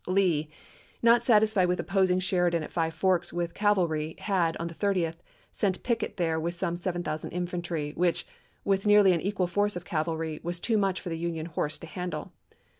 Lee, not satisfied with opposing Sheridan at Five Forks with cavalry, had, on the 30th, sent Pickett there with some 7000 infantry, which, with nearly an equal force of cavalry, was too much for the Union horse to handle.